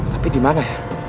tapi di mana